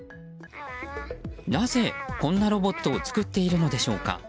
なぜ、こんなロボットを作っているのでしょうか。